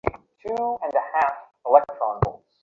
যেকোনো সময় ভবনটি ধসে পড়তে পারে বলে স্কুল কর্তৃপক্ষ আশঙ্কা করছে।